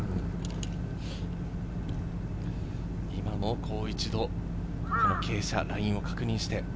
もう一度、傾斜、ラインを確認して。